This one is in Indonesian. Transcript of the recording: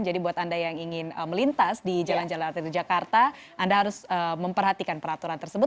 jadi buat anda yang ingin melintas di jalan jalan latar jakarta anda harus memperhatikan peraturan tersebut